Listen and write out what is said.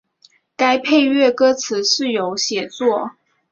该配乐歌词是由写作。